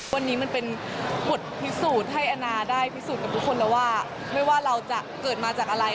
วันนี้มันเป็นบทพิสูจน์ให้แอนนาได้พิสูจน์กับทุกคนแล้วว่าไม่ว่าเราจะเกิดมาจากอะไร